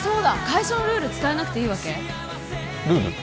会社のルール伝えなくていいわけ？ルール？